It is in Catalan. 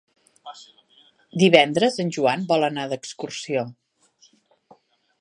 Divendres en Joan vol anar d'excursió.